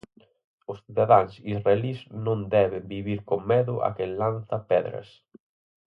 Os cidadáns israelís non deben vivir con medo a quen lanza pedras.